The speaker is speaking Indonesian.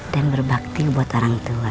dan berbakti buat orang tua